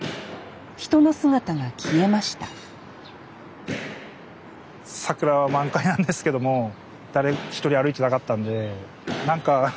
人の姿が消えました桜は満開なんですけども誰一人歩いてなかったんで何か悲しい感じ